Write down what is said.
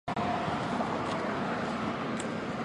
秤钩风为防己科秤钩风属下的一个种。